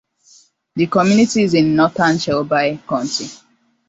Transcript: The community is in northern Shelby County.